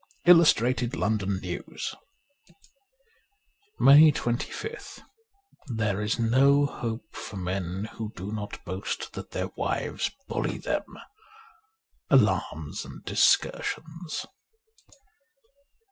'■Illustrated London News.' 158 MAY 25th THERE is no hope for men vi^ho do not boast that their wives bully them. * Alarms a7icl Discursions.